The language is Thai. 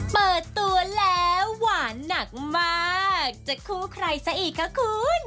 เปิดตัวแล้วหวานหนักมากจะคู่ใครซะอีกคะคุณ